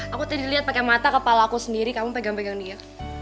aku tadi lihat pakai mata kepala aku sendiri kamu pegang pegang dia